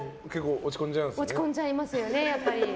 落ち込んじゃいますねやっぱり。